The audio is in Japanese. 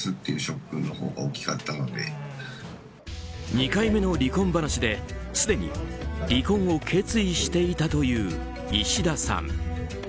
２回目の離婚話ですでに離婚を決意していたといういしださん。